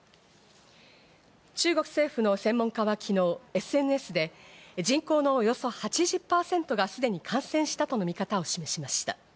中国政府の専門家は昨日ＳＮＳで人口のおよそ８０％がすでに感染したとの見方を示しました。